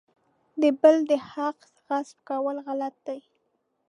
د بل د حق غصب کول غلط دي.